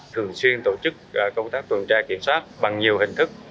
thường xuyên tổ chức công tác tuần tra kiểm soát bằng nhiều hình thức